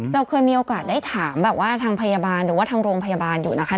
เราเคยมีโอกาสได้ถามแบบว่าทางพยาบาลหรือว่าทางโรงพยาบาลอยู่นะคะ